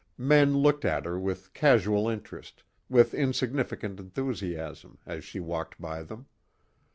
Men looked at her with casual interest, with insignificant enthusiasm, as she walked by them.